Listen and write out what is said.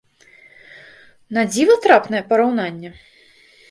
На дзіва трапнае параўнанне!